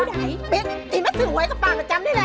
บิ๊กที่มันสื่อไว้กับปากก็จำได้แล้ว